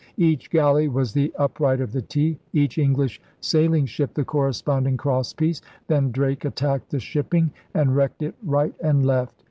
Each galley was the upright of the T, each English sail ing ship the corresponding cross piece. Then Drake attacked the shipping and wrecked it right and left.